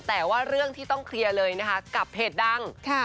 แต่ว่าเรื่องที่ต้องเคลียร์เลยนะคะกับเพจดัง